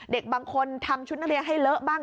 เด็กบางคนทำชุดนักเรียนให้เลอะบ้าง